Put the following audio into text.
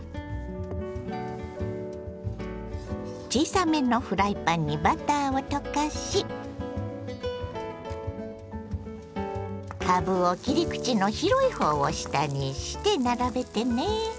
小さめのフライパンにバターを溶かしかぶを切り口の広いほうを下にして並べてね。